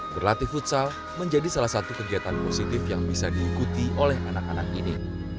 berlatih futsal menjadi salah satu kegiatan positif yang bisa diikuti oleh anak anak ini